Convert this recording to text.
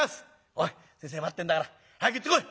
おい先生待ってんだから早く行ってこい」。